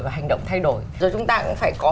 và hành động thay đổi rồi chúng ta cũng phải có